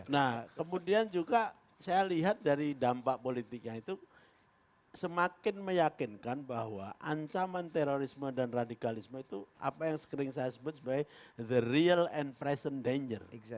nah kemudian juga saya lihat dari dampak politiknya itu semakin meyakinkan bahwa ancaman terorisme dan radikalisme itu apa yang sering saya sebut sebagai the real and present danger